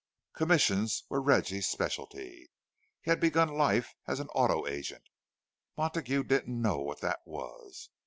Commissions were Reggie's speciality—he had begun life as an auto agent. Montague didn't know what that was?